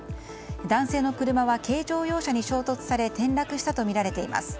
男性の車は軽乗用車に衝突され転落したとみられています。